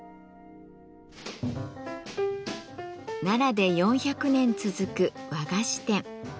奈良で４００年続く和菓子店。